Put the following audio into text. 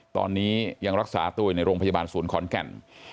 ตอนนี้ยังรักษาตัวอยู่ในโรงพยาบาลศูนย์ขอนแก่น